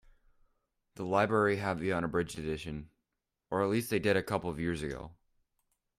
The library have the unabridged edition, or at least they did a couple of years ago.